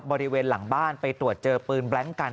บริเวณหลังบ้านไปตรวจเจอปืนแบล็งกัน